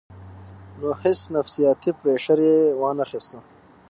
نو هېڅ نفسياتي پرېشر ئې وانۀ خستۀ -